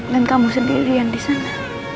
dan kamu sendiri yang disana